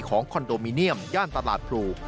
คอนโดมิเนียมย่านตลาดพลู